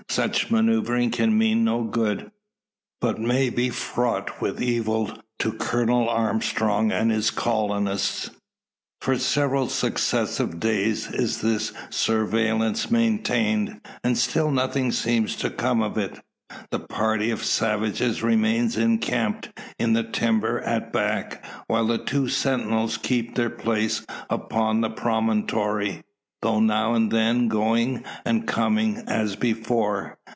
Such manoeuvring can mean no good, but may be fraught with evil to Colonel Armstrong and his colonists. For several successive days is this surveillance maintained, and still nothing seems to come of it. The party of savages remains encamped in the timber at back; while the two sentinels keep their place upon the promontory; though now and then going and coming, as before.